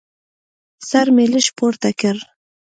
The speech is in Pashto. سر مې لږ پورته کړ.